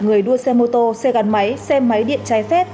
người đua xe mô tô xe gắn máy xe máy điện trái phép